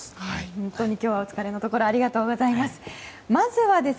本当に今日はお疲れのところありがとうございます。